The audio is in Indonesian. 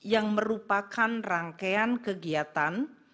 yang merupakan rangkaian kegiatan